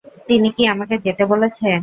তিনি কী আমকে যেতে বলেছে?